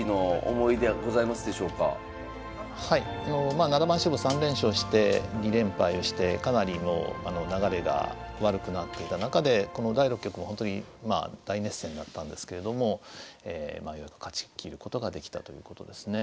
まあ七番勝負３連勝して２連敗をしてかなりもう流れが悪くなってた中でこの第６局はほんとに大熱戦だったんですけれどもまあよく勝ち切ることができたということですね。